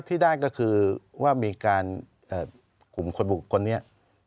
ที่ได้ก็คือว่ามีการกลุ่มคนบุคคลนี้